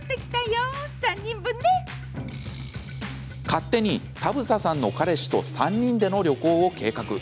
勝手に田房さんの彼氏と３人での旅行を計画。